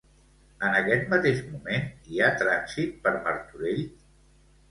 En aquest mateix moment, hi ha trànsit per Martorell?